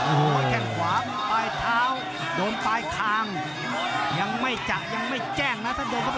โอ้โหขวาปลายเท้าโดนปลายขางยังไม่จับยังไม่แจ้งน่ะ